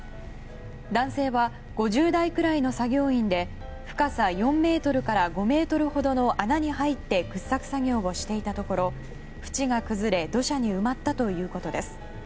男性は５０代くらいの作業員で深さ４ｍから５ｍほどの穴に入って掘削作業をしていたところふちが崩れ土砂に埋まったということです。